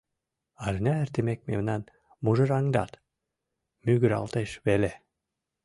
Арня эртымек мемнам мужыраҥдат — мӱгыралтеш веле!